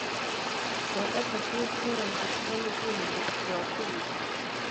Ku wa Gatutu w’icyumweru gishize nibwo uyu mudepite wakubiswe